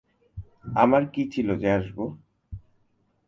আমার কী ছিল যে আসব?